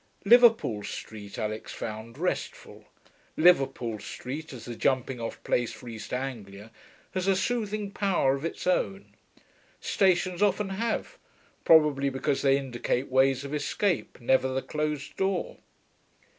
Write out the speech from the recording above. Liverpool Street Alix found restful. Liverpool Street, as the jumping off place for East Anglia, has a soothing power of its own. Stations often have, probably because they indicate ways of escape, never the closed door.